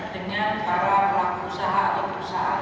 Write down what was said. dengan para pelaku usaha atau perusahaan